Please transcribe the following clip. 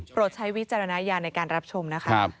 ใช้วิจารณญาณในการรับชมนะคะ